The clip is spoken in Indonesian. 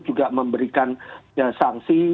juga memberikan sanksi